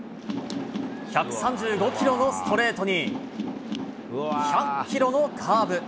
１３５キロのストレートに、１００キロのカーブ。